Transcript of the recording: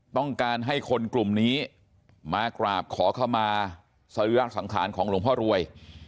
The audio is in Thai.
ต้องการให้คนกลุ่มนี้มากราบขอเข้ามาสรีระสังขารของหลวงพ่อรวย